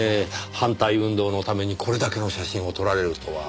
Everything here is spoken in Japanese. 反対運動のためにこれだけの写真を撮られるとは。